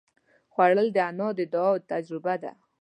خوړل د انا د دعا تجربه ده